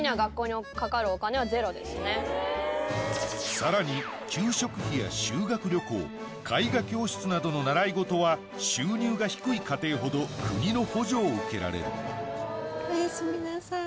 さらに給食費や修学旅行絵画教室などの習い事は収入が低い家庭ほど国の補助を受けられるおやすみなさい。